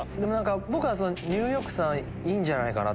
僕はニューヨークさんいいんじゃないかなって。